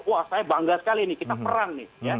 wah saya bangga sekali nih kita perang nih